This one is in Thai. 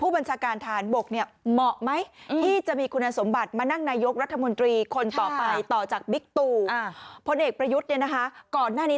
ก่อนหน้านี้ท่านบอกว่าก็เหมาะดี